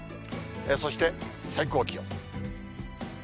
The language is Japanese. そして最高気温。